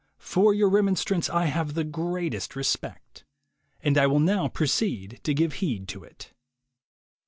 For your remonstrance I have the greatest respect. And I will now proceed to give heed to it.